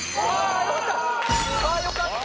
ああよかった！